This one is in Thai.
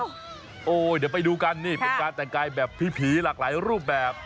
เดี๋ยวไปดูกันนี่เป็นการแต่งกายแบบผีหลากหลายรูปแบบ